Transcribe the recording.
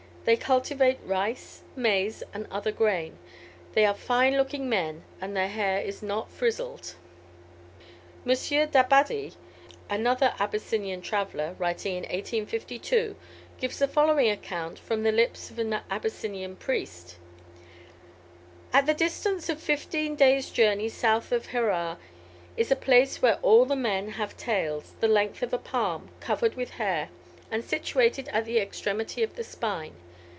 They cultivate rice, maize, and other grain. They are fine looking men, and their hair is not frizzled." M. d'Abbadie, another Abyssinian traveller, writing in 1852, gives the following account from the lips of an Abyssinian priest: "At the distance of fifteen days' journey south of Herrar is a place where all the men have tails, the length of a palm, covered with hair, and situated at the extremity of the spine.